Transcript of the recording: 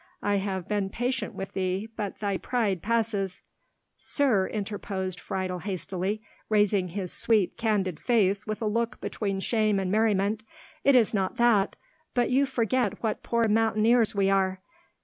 I have been patient with thee, but thy pride passes—" "Sir," interposed Friedel hastily, raising his sweet candid face with a look between shame and merriment, "it is not that; but you forget what poor mountaineers we are.